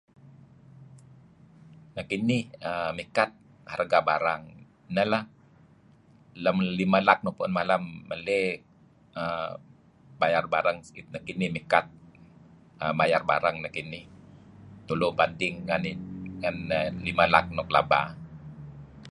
Nekinih mikat harga barang neh lah. Lam limah laak nuk pangeh malem maley uhm harga barang, mikat mayar barang nekinih tlu banding ngen lima laak nuk laba.